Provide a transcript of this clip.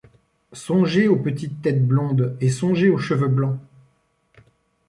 Songez aux petites têtes blondes, et songez aux cheveux blancs.